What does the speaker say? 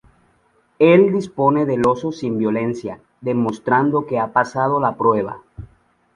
Él dispone del oso sin violencia, demostrando que ha pasado la prueba.